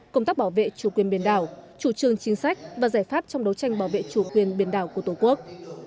công tác bảo vệ chủ quyền biển đảo chủ trương chính sách và giải pháp trong đấu tranh bảo vệ chủ quyền biển đảo của tổ quốc